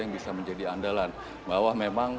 yang bisa menjadi andalan bahwa memang